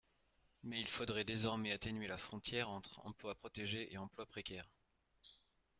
Mais il faudrait désormais atténuer la frontière entre emplois protégés et emplois précaires.